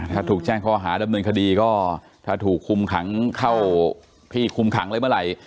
ถ้าถูกแจ้งข้อหาดำเนินคดีก็ถ้าถูกคุมขังเข้าที่คุมขังอะไรเมื่อไหร่